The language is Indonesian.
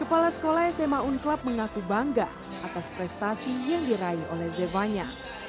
kepala sekolah sma unclub mengaku bangga atas prestasi yang diraih oleh zevanya